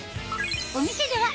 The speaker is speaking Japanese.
お店では